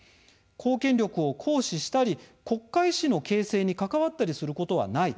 公権力を行使したり国家意思の形成に関わったりすることはない。